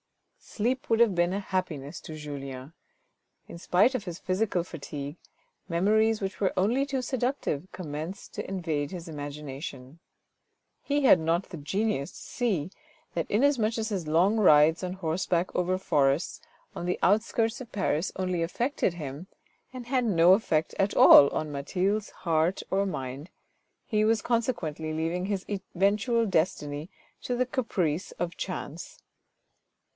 Sleep would have been a happiness to Julien. In spite of his physical fatigue, memories which were only too seductive commenced to invade his imagination. He had not the genius to see that, inasmuch as his long rides on horseback over forests on the outskirts of Paris only affected him, and had no affect at all on Mathilde's heart or mind, he was consequently leaving his eventual destiny to the caprice of chance.